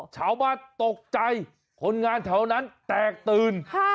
ชาวบ้านตกใจคนงานแถวนั้นแตกตื่น